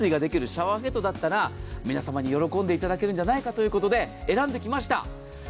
シャワーヘッドだったら皆様に喜んでいただけるのではないかということで選んできました。